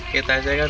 kita aja kan nggak